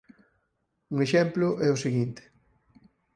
Un exemplo é o seguinte.